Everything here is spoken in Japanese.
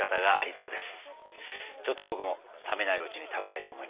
ちょっと僕も冷めないうちに食べたいと思います！